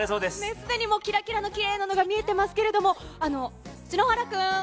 すでにきらきらのきれいなのが見えてますけれども、篠原君。